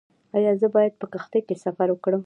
ایا زه باید په کښتۍ کې سفر وکړم؟